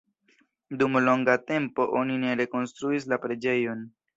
Dum longa tempo oni ne rekonstruis la preĝejon.